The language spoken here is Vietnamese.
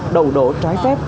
đầu đổ trái phép